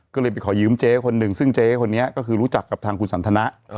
ก็เลยไปขอยืมเจ๊คนหนึ่งซึ่งเจ๊คนนี้ก็คือรู้จักกับทางคุณสันทนะ